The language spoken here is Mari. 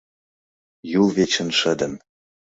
Юл вечын шыдын